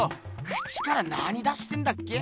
口から何出してんだっけ？